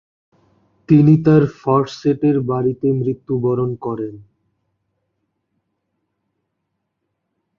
তিনি তার ফরসেটের বাড়িতে মৃত্যুবরণ করেন।